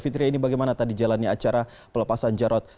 fitria ini bagaimana tadi jalannya acara pelepasan jarod